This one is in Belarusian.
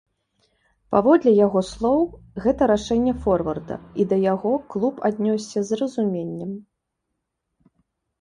Паводле яго слоў, гэта рашэнне форварда і да яго клуб аднёсся з разуменнем.